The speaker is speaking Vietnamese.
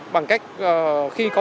bằng cách khi có